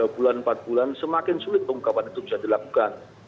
tiga bulan empat bulan semakin sulit pengungkapan itu bisa dilakukan